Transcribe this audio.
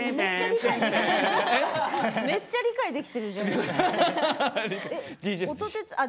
めっちゃ理解できてるじゃん！